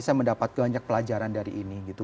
saya mendapat banyak pelajaran dari ini gitu